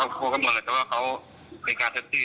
มองแปลกก็ก็อย่างว่าเขากลัวไม่ถึงเห็นชีวิตหรอก